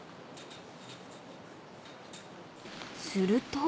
［すると］